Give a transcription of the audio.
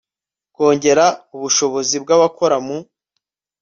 kongera ubushobozi bw abakora mu